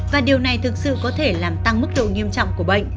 và điều này thực sự có thể làm tăng mức độ nghiêm trọng của bệnh